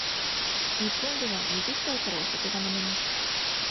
日本では二十歳からお酒が飲めます。